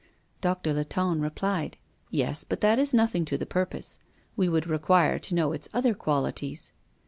Doctor Latonne replied: "Yes, but that is nothing to the purpose. We would require to know its other qualities."